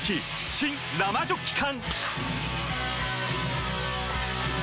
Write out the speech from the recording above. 新・生ジョッキ缶！